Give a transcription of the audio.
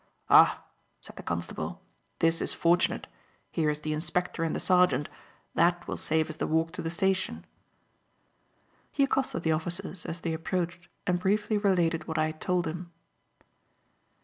"Ha!" said the constable, "this is fortunate. Here is the inspector and the sergeant. That will save us the walk to the station." He accosted the officers as they approached and briefly related what I had told him.